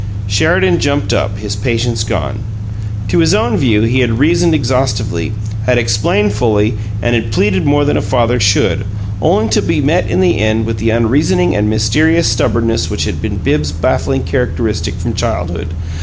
Sheridan jumped up, his patience gone. To his own view, he had reasoned exhaustively, had explained fully and had pleaded more than a father should, only to be met in the end with the unreasoning and mysterious stubbornness which had been Bibbs's baffling characteristic from childhood.